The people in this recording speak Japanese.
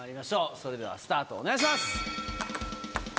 それではスタートお願いします！